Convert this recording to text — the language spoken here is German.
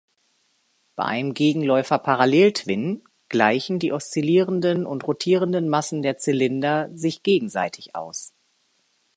Bei einem Gegenläufer-Parallel-Twin gleichen die oszillierenden und rotierenden Massen der Zylinder sich gegenseitig aus.